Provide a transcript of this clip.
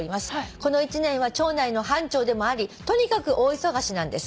「この１年は町内の班長でもありとにかく大忙しなんです」